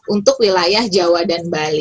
untuk wilayah jawa dan bali